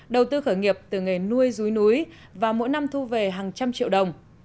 đầu tư khởi nghiệp từ nghề nuôi rúi núi và mỗi năm thu về hàng trăm triệu đồng